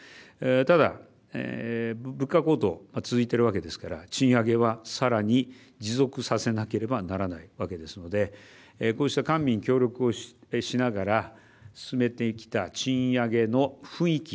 ただ、物価高騰続いているわけですから賃上げはさらに持続させなければならないわけですのでこうした官民協力をしながら進めてきた賃上げの雰囲気